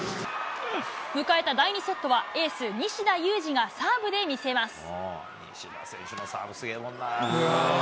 迎えた第２セットは、エース、西田有志がサーブで見せます。